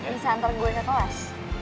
bisa antar gue ke kelas